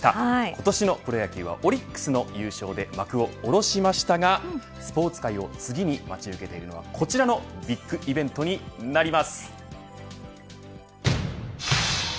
今年のプロ野球はオリックスの優勝で幕を下ろしましたがスポーツ界を次に待ち受けているのはこちらのビッグイベントになります。